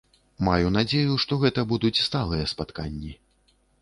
Маю надзею, што гэта будуць сталыя спатканні.